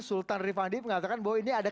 sultan rifandi mengatakan bahwa ini ada